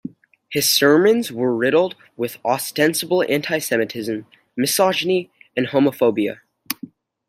His sermons were riddled with ostensible anti-Semitism, misogyny, and homophobia.